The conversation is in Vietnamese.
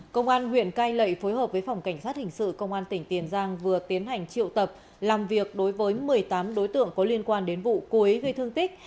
công an huyện cai lệ phối hợp với phòng cảnh sát hình sự công an tỉnh tiền giang vừa tiến hành triệu tập làm việc đối với một mươi tám đối tượng có liên quan đến vụ cố ý gây thương tích